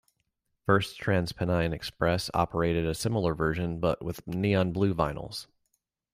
First TransPennine Express operated a similar version but with neon blue vinyls.